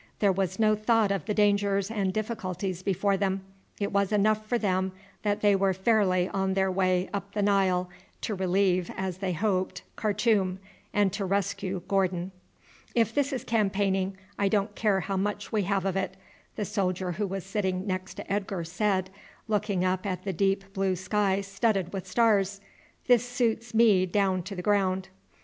There was no thought of the dangers and difficulties before them. It was enough for them that they were fairly on their way up the Nile to relieve, as they hoped, Khartoum, and to rescue Gordon. "If this is campaigning I don't care how much we have of it," the soldier who was sitting next to Edgar said, looking up at the deep blue sky studded with stars. "This suits me down to the ground."